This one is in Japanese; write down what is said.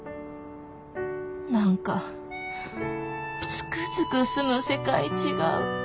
何かつくづく住む世界違う。